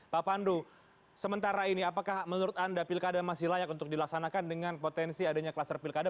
pak pandu sementara ini apakah menurut anda pilkada masih layak untuk dilaksanakan dengan potensi adanya kluster pilkada